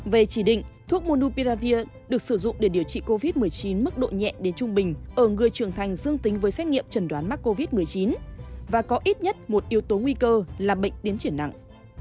về chỉ định thuốc monupiravir được sử dụng để điều trị covid một mươi chín mức độ nhẹ đến trung bình ở người trưởng thành dương tính với xét nghiệm trần đoán mắc covid một mươi chín và có ít nhất một yếu tố nguy cơ là bệnh tiến triển nặng